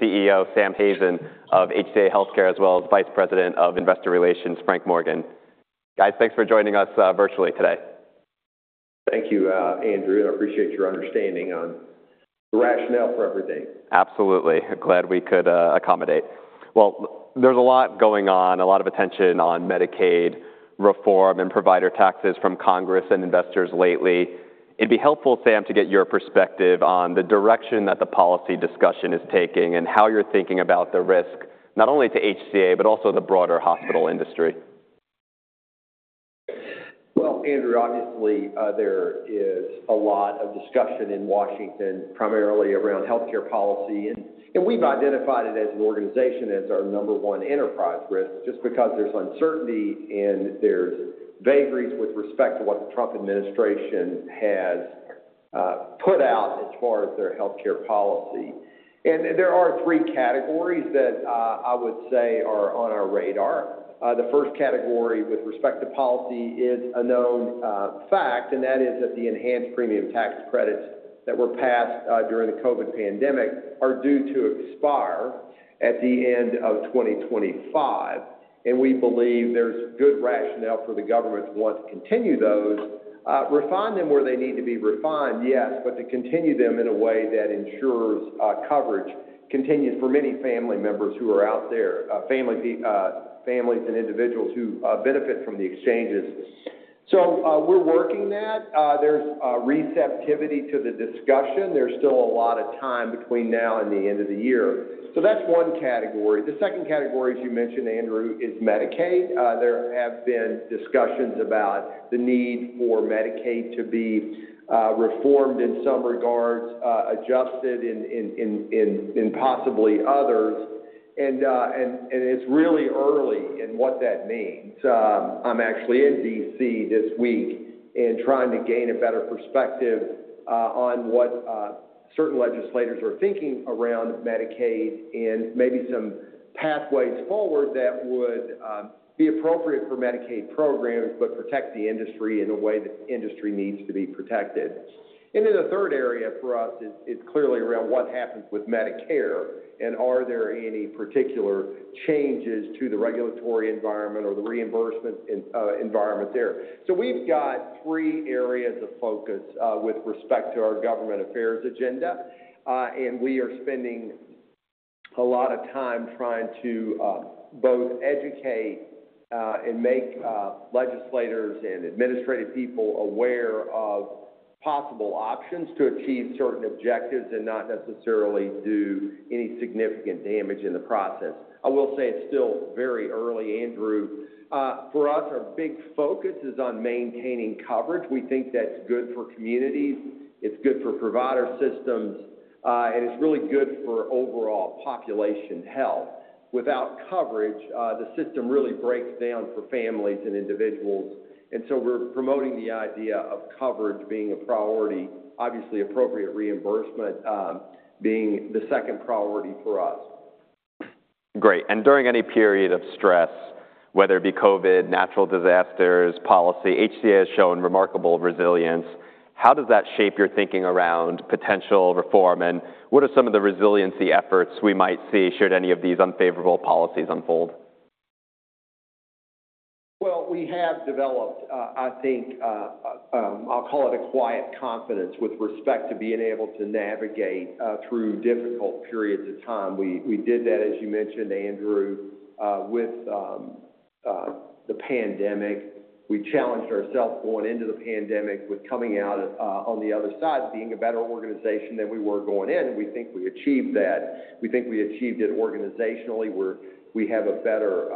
With CEO Sam Hazen of HCA Healthcare, as well as Vice President of Investor Relations, Frank Morgan. Guys, thanks for joining us virtually today. Thank you, Andrew. I appreciate your understanding on the rationale for everything. Absolutely. Glad we could accommodate. There is a lot going on, a lot of attention on Medicaid reform and provider taxes from Congress and investors lately. It'd be helpful, Sam, to get your perspective on the direction that the policy discussion is taking and how you're thinking about the risk, not only to HCA, but also the broader hospital industry. Andrew, obviously there is a lot of discussion in Washington, primarily around healthcare policy. We have identified it as an organization as our number one enterprise risk, just because there is uncertainty and there are vagaries with respect to what the Trump administration has put out as far as their healthcare policy. There are three categories that I would say are on our radar. The first category with respect to policy is a known fact, and that is that the enhanced premium tax credits that were passed during the COVID pandemic are due to expire at the end of 2025. We believe there is good rationale for the government to want to continue those, refine them where they need to be refined, yes, but to continue them in a way that ensures coverage continues for many family members who are out there, families and individuals who benefit from the exchanges. We're working that. There's receptivity to the discussion. There's still a lot of time between now and the end of the year. That's one category. The second category, as you mentioned, Andrew, is Medicaid. There have been discussions about the need for Medicaid to be reformed in some regards, adjusted in possibly others. It's really early in what that means. I'm actually in D.C. this week and trying to gain a better perspective on what certain legislators are thinking around Medicaid and maybe some pathways forward that would be appropriate for Medicaid programs, but protect the industry in a way that the industry needs to be protected. The third area for us is clearly around what happens with Medicare and are there any particular changes to the regulatory environment or the reimbursement environment there. We have three areas of focus with respect to our government affairs agenda. We are spending a lot of time trying to both educate and make legislators and administrative people aware of possible options to achieve certain objectives and not necessarily do any significant damage in the process. I will say it's still very early, Andrew. For us, our big focus is on maintaining coverage. We think that's good for communities. It's good for provider systems. It's really good for overall population health. Without coverage, the system really breaks down for families and individuals. We are promoting the idea of coverage being a priority, obviously appropriate reimbursement being the second priority for us. Great. During any period of stress, whether it be COVID, natural disasters, policy, HCA has shown remarkable resilience. How does that shape your thinking around potential reform? What are some of the resiliency efforts we might see should any of these unfavorable policies unfold? We have developed, I think, I'll call it a quiet confidence with respect to being able to navigate through difficult periods of time. We did that, as you mentioned, Andrew, with the pandemic. We challenged ourselves going into the pandemic with coming out on the other side being a better organization than we were going in. We think we achieved that. We think we achieved it organizationally. We have a better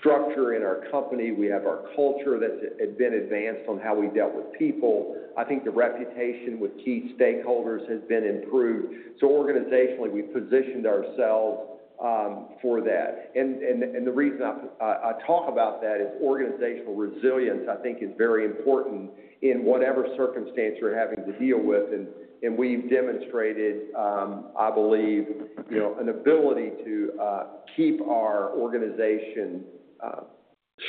structure in our company. We have our culture that's been advanced on how we dealt with people. I think the reputation with key stakeholders has been improved. Organizationally, we positioned ourselves for that. The reason I talk about that is organizational resilience, I think, is very important in whatever circumstance you're having to deal with. We have demonstrated, I believe, an ability to keep our organization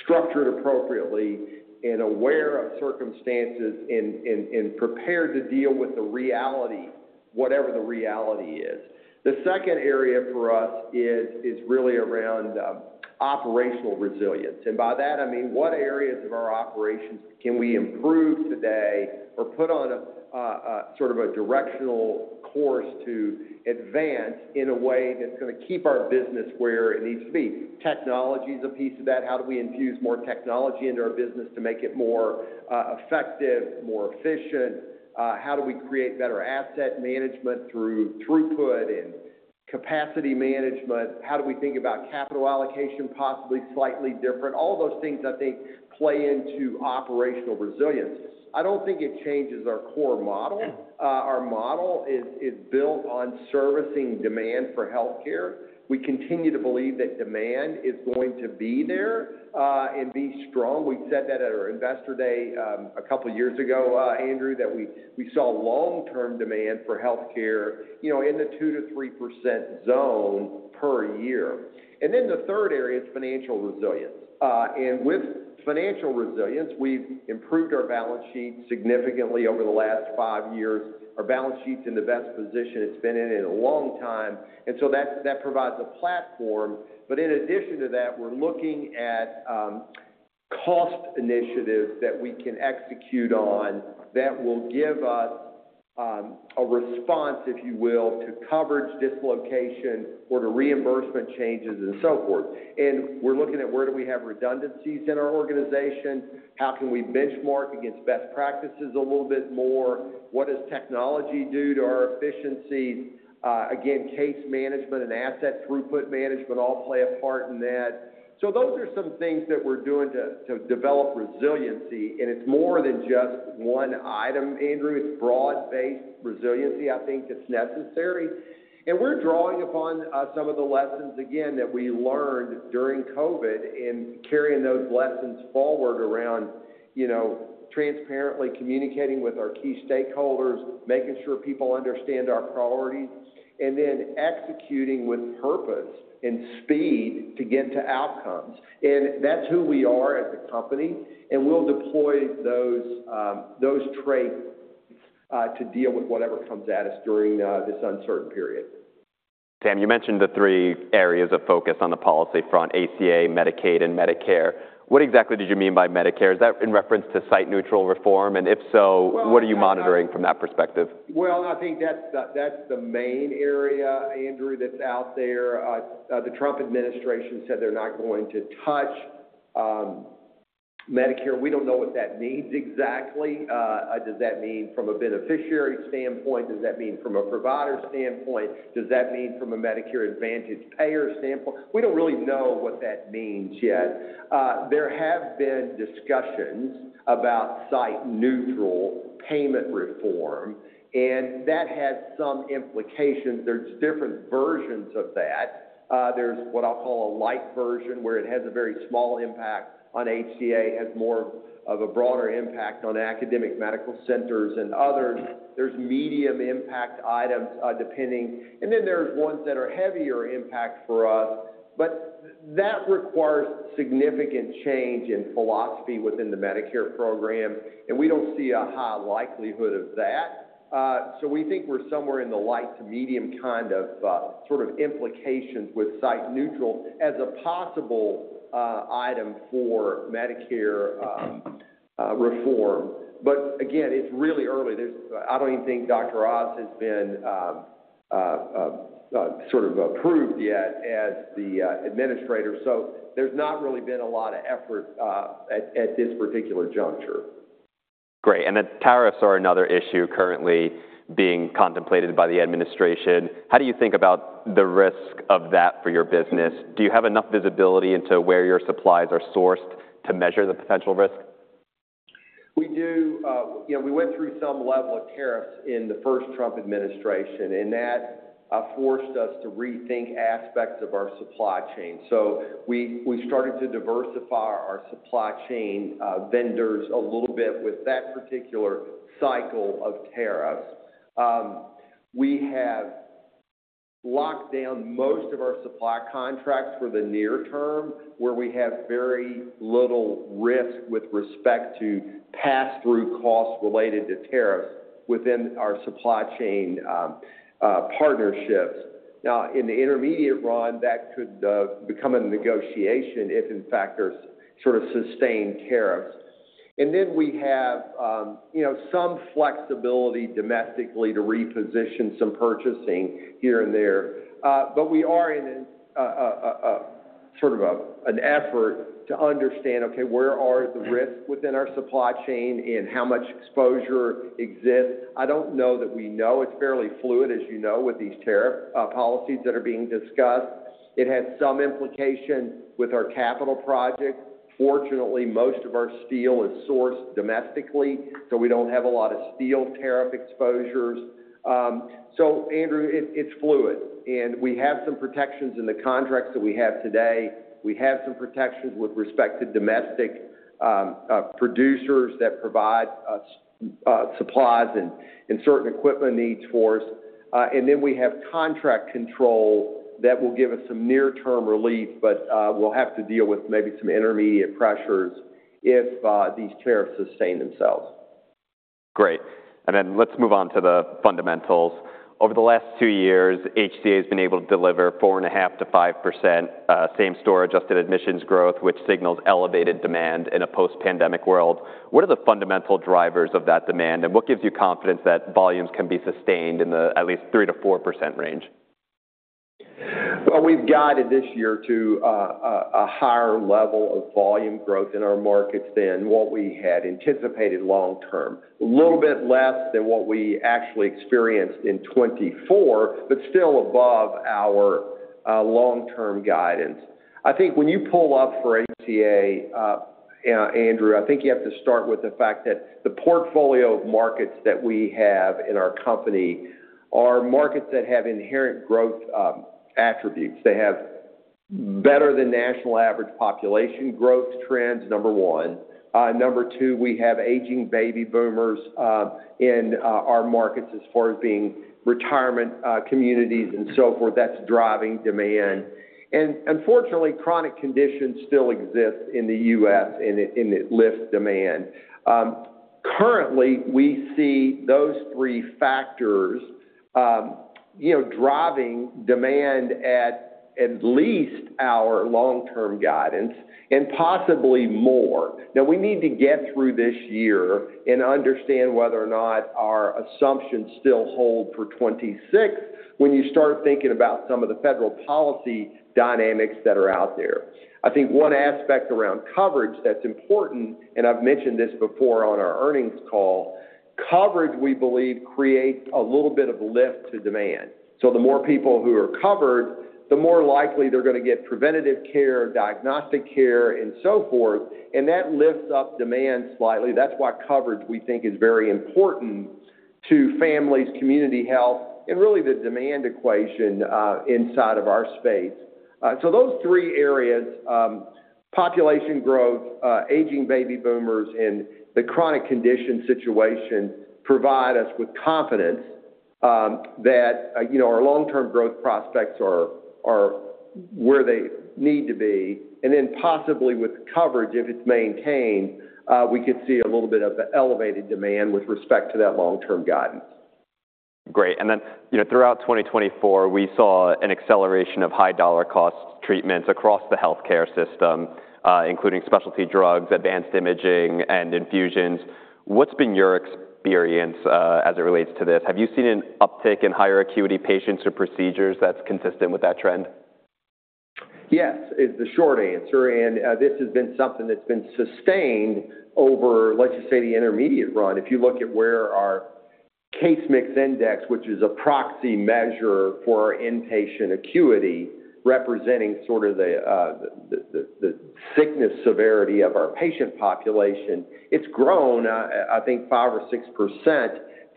structured appropriately and aware of circumstances and prepared to deal with the reality, whatever the reality is. The second area for us is really around operational resilience. By that, I mean what areas of our operations can we improve today or put on sort of a directional course to advance in a way that's going to keep our business where it needs to be? Technology is a piece of that. How do we infuse more technology into our business to make it more effective, more efficient? How do we create better asset management through throughput and capacity management? How do we think about capital allocation possibly slightly different? All those things, I think, play into operational resilience. I do not think it changes our core model. Our model is built on servicing demand for healthcare. We continue to believe that demand is going to be there and be strong. We said that at our Investor Day a couple of years ago, Andrew, that we saw long-term demand for healthcare in the 2%-3% zone per year. The third area is financial resilience. With financial resilience, we've improved our balance sheet significantly over the last five years. Our balance sheet's in the best position it's been in in a long time. That provides a platform. In addition to that, we're looking at cost initiatives that we can execute on that will give us a response, if you will, to coverage dislocation or to reimbursement changes and so forth. We're looking at where do we have redundancies in our organization? How can we benchmark against best practices a little bit more? What does technology do to our efficiencies? Again, case management and asset throughput management all play a part in that. Those are some things that we're doing to develop resiliency. It is more than just one item, Andrew. It is broad-based resiliency, I think, that is necessary. We are drawing upon some of the lessons, again, that we learned during COVID and carrying those lessons forward around transparently communicating with our key stakeholders, making sure people understand our priorities, and then executing with purpose and speed to get to outcomes. That is who we are as a company. We will deploy those traits to deal with whatever comes at us during this uncertain period. Sam, you mentioned the three areas of focus on the policy front: ACA, Medicaid, and Medicare. What exactly did you mean by Medicare? Is that in reference to site-neutral reform? If so, what are you monitoring from that perspective? I think that's the main area, Andrew, that's out there. The Trump administration said they're not going to touch Medicare. We don't know what that means exactly. Does that mean from a beneficiary standpoint? Does that mean from a provider standpoint? Does that mean from a Medicare Advantage payer standpoint? We don't really know what that means yet. There have been discussions about site-neutral payment reform. That has some implications. There are different versions of that. There's what I'll call a light version where it has a very small impact on HCA, has more of a broader impact on academic medical centers and others. There are medium impact items depending. Then there are ones that are heavier impact for us. That requires significant change in philosophy within the Medicare program. We don't see a high likelihood of that. We think we're somewhere in the light to medium kind of sort of implications with site-neutral as a possible item for Medicare reform. Again, it's really early. I don't even think Dr. Oz has been sort of approved yet as the administrator. There's not really been a lot of effort at this particular juncture. Great. Tariffs are another issue currently being contemplated by the administration. How do you think about the risk of that for your business? Do you have enough visibility into where your supplies are sourced to measure the potential risk? We do. We went through some level of tariffs in the first Trump administration. That forced us to rethink aspects of our supply chain. We started to diversify our supply chain vendors a little bit with that particular cycle of tariffs. We have locked down most of our supply contracts for the near term, where we have very little risk with respect to pass-through costs related to tariffs within our supply chain partnerships. In the intermediate run, that could become a negotiation if, in fact, there are sort of sustained tariffs. We have some flexibility domestically to reposition some purchasing here and there. We are in sort of an effort to understand, okay, where are the risks within our supply chain and how much exposure exists? I do not know that we know. It's fairly fluid, as you know, with these tariff policies that are being discussed. It has some implication with our capital projects. Fortunately, most of our steel is sourced domestically, so we don't have a lot of steel tariff exposures. Andrew, it's fluid. We have some protections in the contracts that we have today. We have some protections with respect to domestic producers that provide supplies and certain equipment needs for us. We have contract control that will give us some near-term relief, but we'll have to deal with maybe some intermediate pressures if these tariffs sustain themselves. Great. Let's move on to the fundamentals. Over the last two years, HCA has been able to deliver 4.5-5% same-store adjusted admissions growth, which signals elevated demand in a post-pandemic world. What are the fundamental drivers of that demand? What gives you confidence that volumes can be sustained in the at least 3%-4% range? We have guided this year to a higher level of volume growth in our markets than what we had anticipated long-term, a little bit less than what we actually experienced in 2024, but still above our long-term guidance. I think when you pull up for HCA, Andrew, I think you have to start with the fact that the portfolio of markets that we have in our company are markets that have inherent growth attributes. They have better than national average population growth trends, number one. Number two, we have aging baby boomers in our markets as far as being retirement communities and so forth. That is driving demand. Unfortunately, chronic conditions still exist in the U.S., and it lifts demand. Currently, we see those three factors driving demand at at least our long-term guidance and possibly more. Now, we need to get through this year and understand whether or not our assumptions still hold for 2026 when you start thinking about some of the federal policy dynamics that are out there. I think one aspect around coverage that's important, and I've mentioned this before on our earnings call, coverage, we believe, creates a little bit of a lift to demand. The more people who are covered, the more likely they're going to get preventative care, diagnostic care, and so forth. That lifts up demand slightly. That's why coverage, we think, is very important to families, community health, and really the demand equation inside of our space. Those three areas, population growth, aging baby boomers, and the chronic condition situation provide us with confidence that our long-term growth prospects are where they need to be. Possibly with coverage, if it's maintained, we could see a little bit of elevated demand with respect to that long-term guidance. Great. Throughout 2024, we saw an acceleration of high-dollar cost treatments across the healthcare system, including specialty drugs, advanced imaging, and infusions. What's been your experience as it relates to this? Have you seen an uptick in higher acuity patients or procedures that's consistent with that trend? Yes, is the short answer. This has been something that's been sustained over, let's just say, the intermediate run. If you look at where our case mix index, which is a proxy measure for our inpatient acuity, representing sort of the sickness severity of our patient population, it's grown, I think, 5% or 6%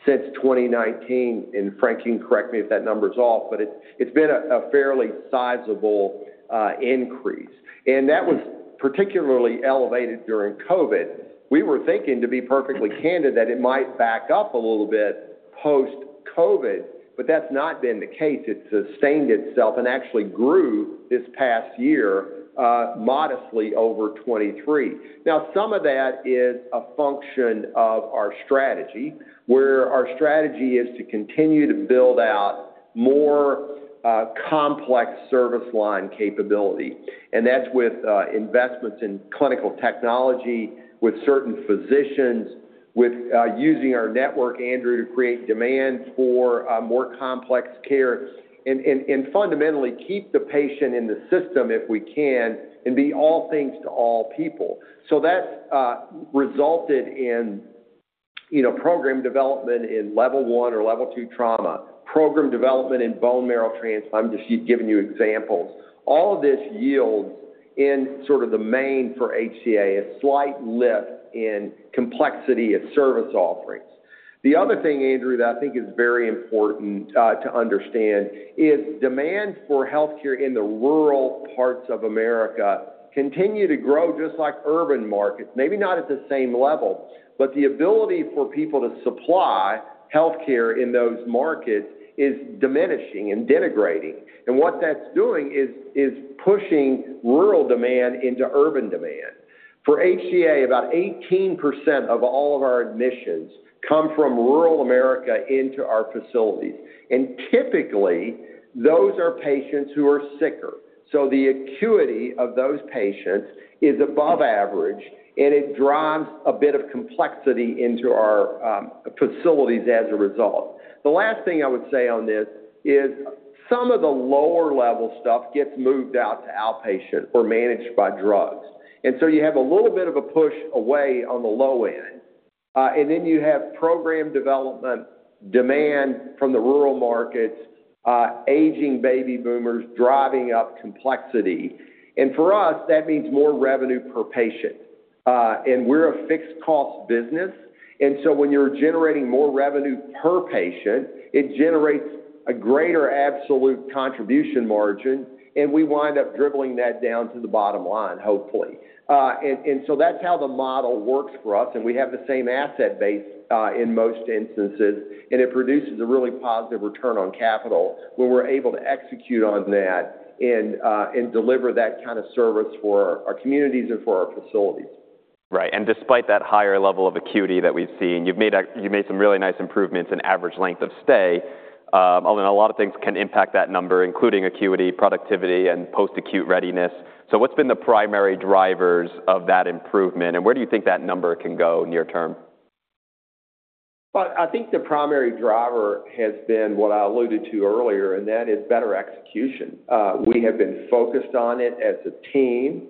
since 2019. Frank can correct me if that number's off, but it's been a fairly sizable increase. That was particularly elevated during COVID. We were thinking, to be perfectly candid, that it might back up a little bit post-COVID, but that's not been the case. It's sustained itself and actually grew this past year modestly over 2023. Some of that is a function of our strategy, where our strategy is to continue to build out more complex service line capability. That is with investments in clinical technology with certain physicians, with using our network, Andrew, to create demand for more complex care and fundamentally keep the patient in the system if we can and be all things to all people. That has resulted in program development in Level I or level II trauma, program development in bone marrow transplant. I am just giving you examples. All of this yields in sort of the main for HCA Healthcare a slight lift in complexity of service offerings. The other thing, Andrew, that I think is very important to understand is demand for healthcare in the rural parts of America continues to grow just like urban markets, maybe not at the same level. The ability for people to supply healthcare in those markets is diminishing and denigrating. What that is doing is pushing rural demand into urban demand. For HCA, about 18% of all of our admissions come from rural America into our facilities. Typically, those are patients who are sicker. The acuity of those patients is above average, and it drives a bit of complexity into our facilities as a result. The last thing I would say on this is some of the lower-level stuff gets moved out to outpatient or managed by drugs. You have a little bit of a push away on the low end. You have program development demand from the rural markets, aging baby boomers driving up complexity. For us, that means more revenue per patient. We are a fixed-cost business. When you are generating more revenue per patient, it generates a greater absolute contribution margin, and we wind up dribbling that down to the bottom line, hopefully. That is how the model works for us. We have the same asset base in most instances. It produces a really positive return on capital when we are able to execute on that and deliver that kind of service for our communities and for our facilities. Right. Despite that higher level of acuity that we've seen, you've made some really nice improvements in average length of stay. Although a lot of things can impact that number, including acuity, productivity, and post-acute readiness. What's been the primary drivers of that improvement? Where do you think that number can go near term? I think the primary driver has been what I alluded to earlier, and that is better execution. We have been focused on it as a team.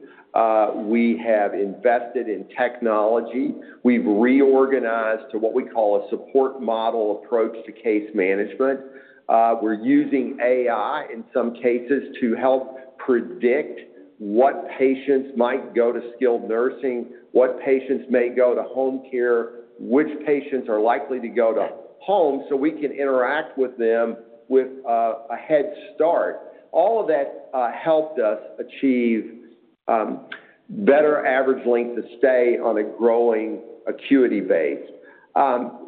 We have invested in technology. We've reorganized to what we call a support model approach to case management. We're using AI in some cases to help predict what patients might go to skilled nursing, what patients may go to home care, which patients are likely to go to home so we can interact with them with a head start. All of that helped us achieve better average length of stay on a growing acuity base.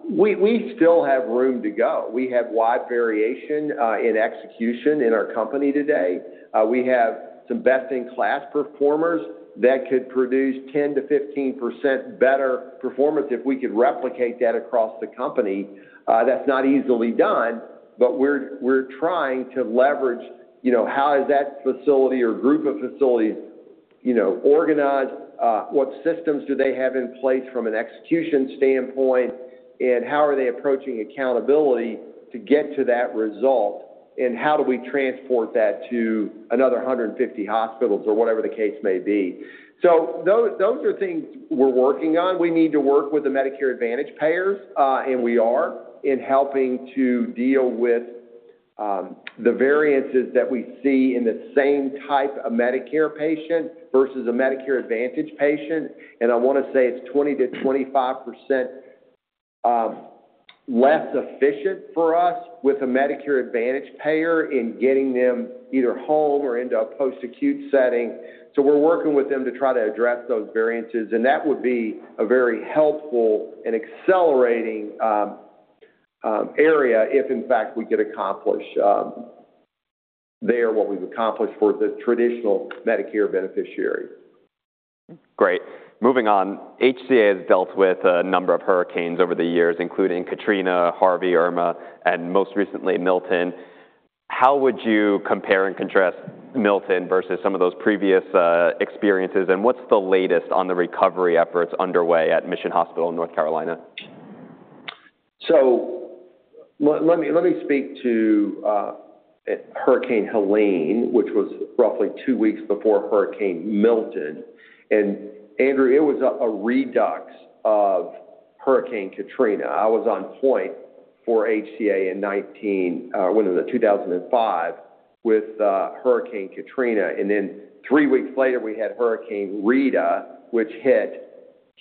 We still have room to go. We have wide variation in execution in our company today. We have some best-in-class performers that could produce 10-15% better performance if we could replicate that across the company. That's not easily done, but we're trying to leverage how is that facility or group of facilities organized, what systems do they have in place from an execution standpoint, and how are they approaching accountability to get to that result, and how do we transport that to another 150 hospitals or whatever the case may be. Those are things we're working on. We need to work with the Medicare Advantage payers, and we are in helping to deal with the variances that we see in the same type of Medicare patient versus a Medicare Advantage patient. I want to say it's 20%-25% less efficient for us with a Medicare Advantage payer in getting them either home or into a post-acute setting. We're working with them to try to address those variances. That would be a very helpful and accelerating area if, in fact, we could accomplish there what we've accomplished for the traditional Medicare beneficiaries. Great. Moving on, HCA has dealt with a number of hurricanes over the years, including Katrina, Harvey, Irma, and most recently Milton. How would you compare and contrast Milton versus some of those previous experiences? What is the latest on the recovery efforts underway at Mission Hospital in North Carolina? Let me speak to Hurricane Helene, which was roughly two weeks before Hurricane Milton. Andrew, it was a redux of Hurricane Katrina. I was on point for HCA in 2019, when it was 2005, with Hurricane Katrina. Three weeks later, we had Hurricane Rita, which hit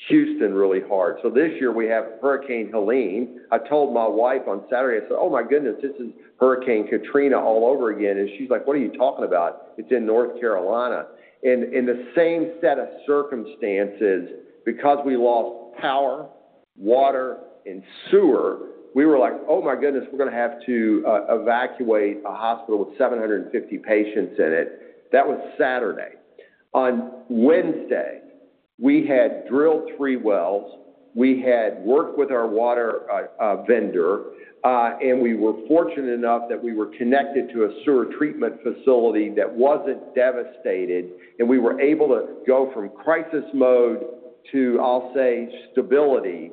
Houston really hard. This year, we have Hurricane Helene. I told my wife on Saturday, I said, "Oh my goodness, this is Hurricane Katrina all over again." She's like, "What are you talking about? It's in North Carolina." In the same set of circumstances, because we lost power, water, and sewer, we were like, "Oh my goodness, we're going to have to evacuate a hospital with 750 patients in it." That was Saturday. On Wednesday, we had drilled three wells. We had worked with our water vendor, and we were fortunate enough that we were connected to a sewer treatment facility that was not devastated. We were able to go from crisis mode to, I'll say, stability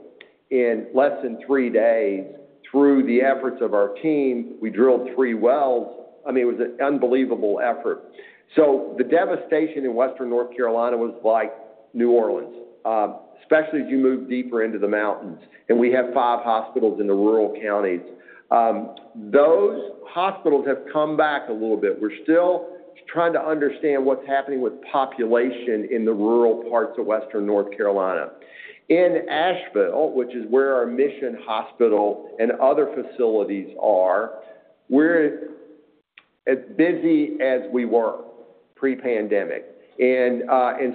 in less than three days through the efforts of our team. We drilled three wells. I mean, it was an unbelievable effort. The devastation in western North Carolina was like New Orleans, especially as you move deeper into the mountains. We have five hospitals in the rural counties. Those hospitals have come back a little bit. We are still trying to understand what is happening with population in the rural parts of western North Carolina. In Asheville, which is where our Mission Hospital and other facilities are, we are as busy as we were pre-pandemic.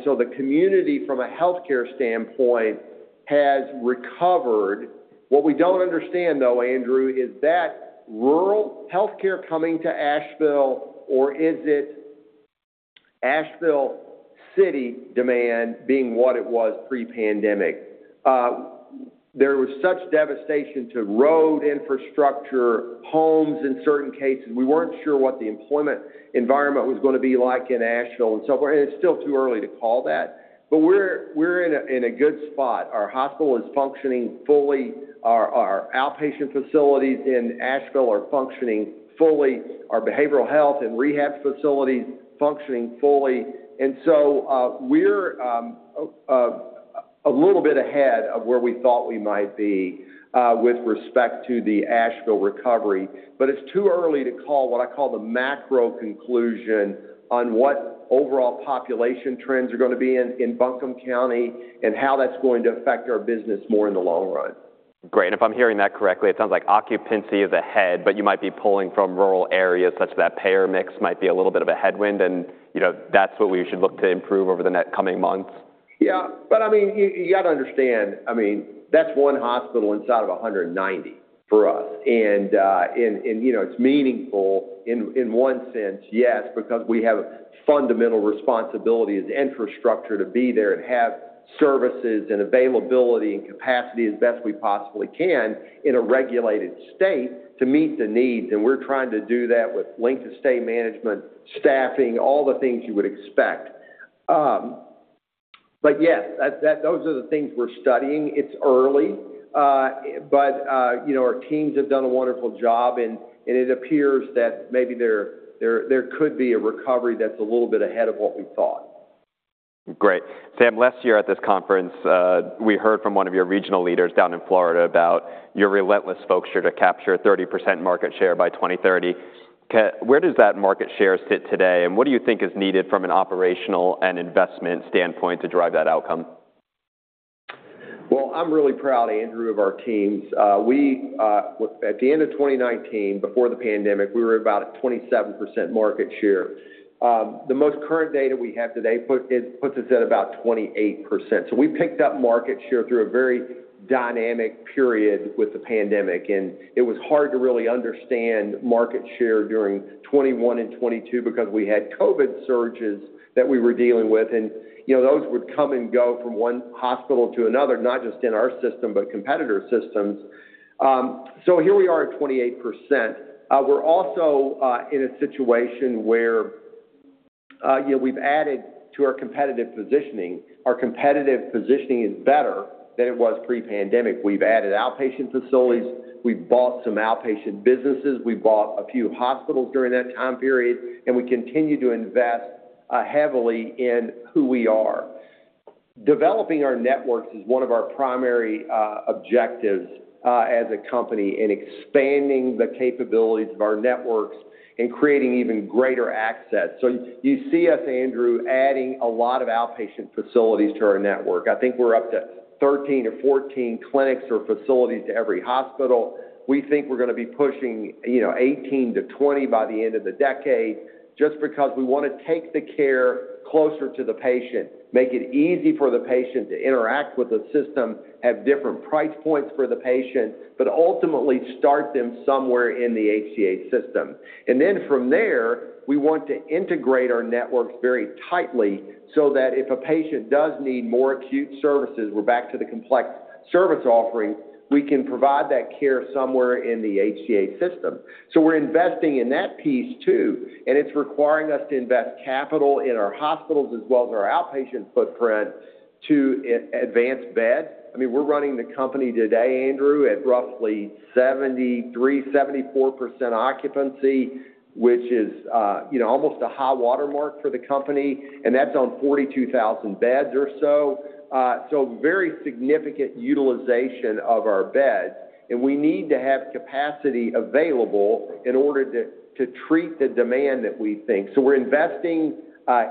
The community, from a healthcare standpoint, has recovered. What we do not understand, though, Andrew, is that rural healthcare coming to Asheville, or is it Asheville City demand being what it was pre-pandemic? There was such devastation to road infrastructure, homes in certain cases. We were not sure what the employment environment was going to be like in Asheville and so forth. It is still too early to call that. We are in a good spot. Our hospital is functioning fully. Our outpatient facilities in Asheville are functioning fully. Our behavioral health and rehab facilities are functioning fully. We are a little bit ahead of where we thought we might be with respect to the Asheville recovery. It is too early to call what I call the macro conclusion on what overall population trends are going to be in Buncombe County and how that is going to affect our business more in the long run. Great. If I'm hearing that correctly, it sounds like occupancy is ahead, but you might be pulling from rural areas such that payer mix might be a little bit of a headwind. That is what we should look to improve over the coming months. Yeah. I mean, you got to understand, I mean, that's one hospital inside of 190 for us. It's meaningful in one sense, yes, because we have fundamental responsibility as infrastructure to be there and have services and availability and capacity as best we possibly can in a regulated state to meet the needs. We're trying to do that with length of stay management, staffing, all the things you would expect. Yes, those are the things we're studying. It's early. Our teams have done a wonderful job. It appears that maybe there could be a recovery that's a little bit ahead of what we thought. Great. Sam, last year at this conference, we heard from one of your regional leaders down in Florida about your relentless focus to capture a 30% market share by 2030. Where does that market share sit today? What do you think is needed from an operational and investment standpoint to drive that outcome? I'm really proud, Andrew, of our teams. At the end of 2019, before the pandemic, we were about a 27% market share. The most current data we have today puts us at about 28%. We picked up market share through a very dynamic period with the pandemic. It was hard to really understand market share during 2021 and 2022 because we had COVID surges that we were dealing with. Those would come and go from one hospital to another, not just in our system, but competitor systems. Here we are at 28%. We're also in a situation where we've added to our competitive positioning. Our competitive positioning is better than it was pre-pandemic. We've added outpatient facilities. We've bought some outpatient businesses. We bought a few hospitals during that time period. We continue to invest heavily in who we are. Developing our networks is one of our primary objectives as a company in expanding the capabilities of our networks and creating even greater access. You see us, Andrew, adding a lot of outpatient facilities to our network. I think we're up to 13 or 14 clinics or facilities to every hospital. We think we're going to be pushing 18-20 by the end of the decade just because we want to take the care closer to the patient, make it easy for the patient to interact with the system, have different price points for the patient, but ultimately start them somewhere in the HCA system. From there, we want to integrate our networks very tightly so that if a patient does need more acute services, we're back to the complex service offering, we can provide that care somewhere in the HCA system. We're investing in that piece too. It's requiring us to invest capital in our hospitals as well as our outpatient footprint to advance beds. I mean, we're running the company today, Andrew, at roughly 73%-74% occupancy, which is almost a high watermark for the company. That's on 42,000 beds or so. Very significant utilization of our beds. We need to have capacity available in order to treat the demand that we think. We're investing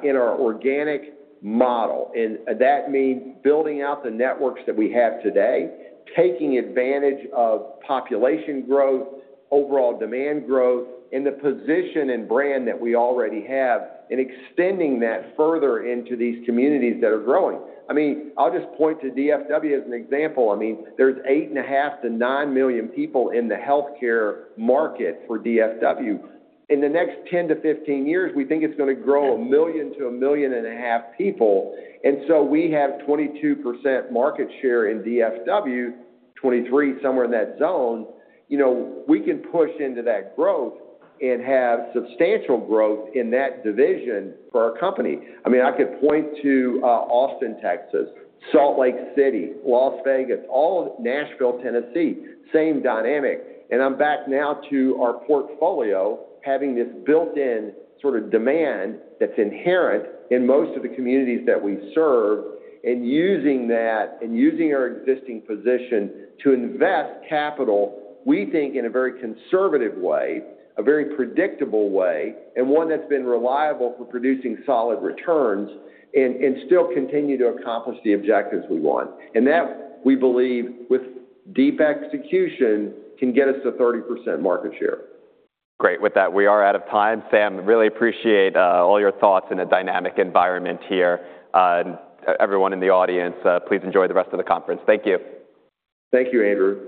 in our organic model. That means building out the networks that we have today, taking advantage of population growth, overall demand growth, and the position and brand that we already have, and extending that further into these communities that are growing. I mean, I'll just point to DFW as an example. There's 8.5-9 million people in the healthcare market for DFW. In the next 10 to 15 years, we think it's going to grow a million to a million and a half people. We have 22% market share in DFW, 23% somewhere in that zone. We can push into that growth and have substantial growth in that division for our company. I mean, I could point to Austin, Texas, Salt Lake City, Las Vegas, all of Nashville, Tennessee, same dynamic. I'm back now to our portfolio, having this built-in sort of demand that's inherent in most of the communities that we serve, and using that and using our existing position to invest capital, we think in a very conservative way, a very predictable way, and one that's been reliable for producing solid returns and still continue to accomplish the objectives we want. That, we believe, with deep execution, can get us to 30% market share. Great. With that, we are out of time. Sam, really appreciate all your thoughts in a dynamic environment here. Everyone in the audience, please enjoy the rest of the conference. Thank you. Thank you, Andrew.